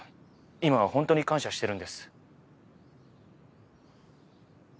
今は本当に感謝してるんです。